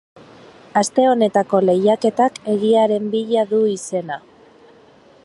Aste honetako lehiaketak egiaren bila du izena.